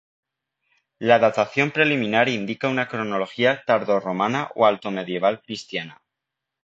La datación preliminar indica una cronología tardorromana o altomedieval cristiana.